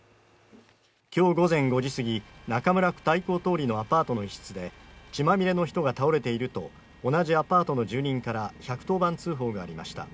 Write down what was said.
今日午前５時過ぎ、中村区太閤通のアパートの一室で血まみれの人が倒れていると同じアパートの住人から１１０番通報がありました。